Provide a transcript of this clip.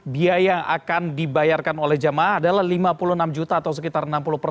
biaya yang akan dibayarkan oleh jemaah adalah rp lima puluh enam juta atau sekitar enam puluh persen